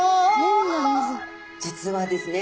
実はですね